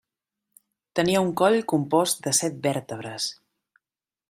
Tenia un coll compost de set vèrtebres.